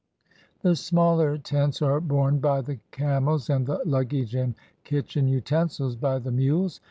The smaller tents are borne by the camels, and the luggage and kitchen utensils by the mules.